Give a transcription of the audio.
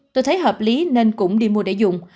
tôi thấy hợp lý nên cũng đi mua để dùng